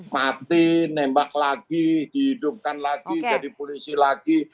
mati nembak lagi dihidupkan lagi jadi polisi lagi